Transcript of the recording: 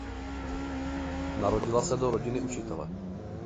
Narodila se do rodiny učitele.